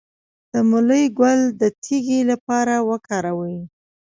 د مولی ګل د تیږې لپاره وکاروئ